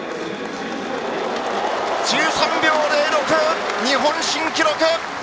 １３．０６日本新記録です。